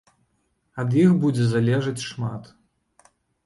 Ад іх будзе залежаць шмат.